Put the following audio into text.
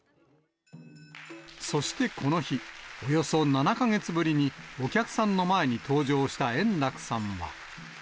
そしてこの日、およそ７か月ぶりに、お客さんの前に登場した円楽さんは。